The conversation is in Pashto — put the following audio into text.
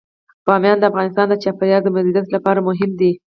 بامیان د افغانستان د چاپیریال د مدیریت لپاره مهم دي.